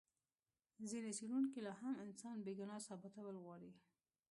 ځینې څېړونکي لا هم انسان بې ګناه ثابتول غواړي.